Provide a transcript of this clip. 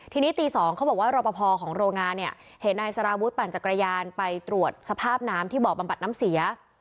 ทีนี้ตี๒เขาบอกว่ารอปภของโรงงานเนี่ยเห็นนายสารวุฒิปั่นจักรยานไปตรวจสภาพน้ำที่บ่อบำบัดน้ำเสีย